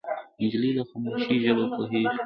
نجلۍ له خاموشۍ ژبه پوهېږي.